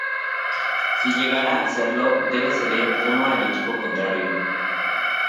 Si llegara a hacerlo debe ceder uno al equipo contrario.